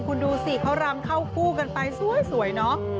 คุณดูสิเขารำเข้าคู่กันไปสวยเนอะ